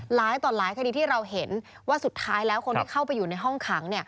หลายต่อหลายคดีที่เราเห็นว่าสุดท้ายแล้วคนที่เข้าไปอยู่ในห้องขัง